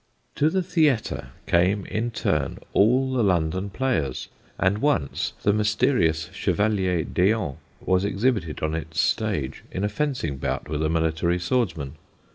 [Sidenote: AN EARTHLY PARADISE] To the theatre came in turn all the London players; and once the mysterious Chevalier D'Eon was exhibited on its stage in a fencing bout with a military swordsman.